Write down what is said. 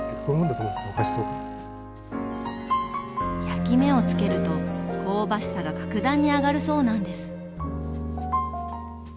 焼き目を付けると香ばしさが格段に上がるそうなんです！